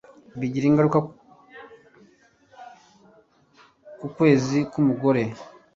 bigira ingaruka ku kwezi k'umugore